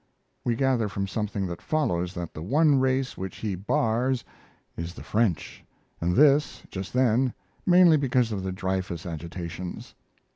We gather from something that follows that the one race which he bars is the French, and this, just then, mainly because of the Dreyfus agitations.